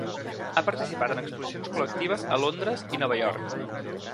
Ha participat en exposicions col·lectives a Londres i Nova York.